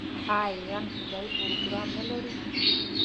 آیا ایران فضايي پروګرام نلري؟